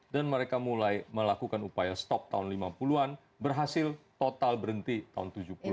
dan mereka mulai melakukan upaya stop tahun lima puluh an berhasil total berhenti tahun tujuh puluh an